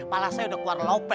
pala saya udah keluar lope